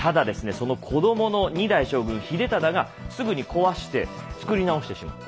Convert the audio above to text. その子供の２代将軍秀忠がすぐに壊して造り直してしまった。